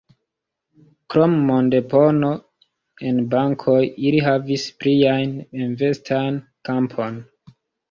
Krom mondepono en bankoj, ili havis plian investan kampon.